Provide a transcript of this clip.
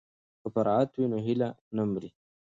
که فراغت وي نو هیله نه مري.